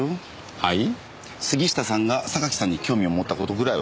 はい。